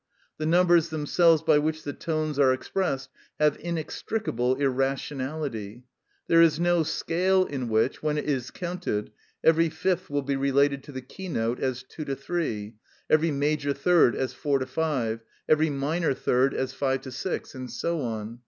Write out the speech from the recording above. The numbers themselves by which the tones are expressed have inextricable irrationality. There is no scale in which, when it is counted, every fifth will be related to the keynote as 2 to 3, every major third as 4 to 5, every minor third as 5 to 6, and so on.